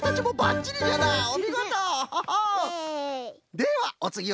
ではおつぎは？